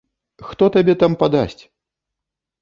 Хто табе там падасць?